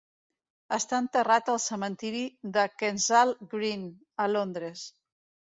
Està enterrat al cementiri de Kensal Green, a Londres.